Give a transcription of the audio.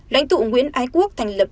lãnh tụ nguyễn ái quốc thành lập